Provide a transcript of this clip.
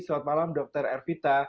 selamat malam dr hervita